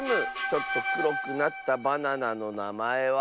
ちょっとくろくなったバナナのなまえは。